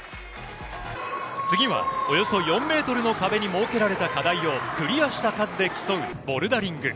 次はおよそ４ｍの壁に設けられた課題をクリアした数で競うボルダリング。